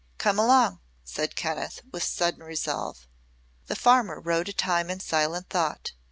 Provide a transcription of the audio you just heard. Come along," said Kenneth, with sudden resolve. The farmer rode a time in silent thought.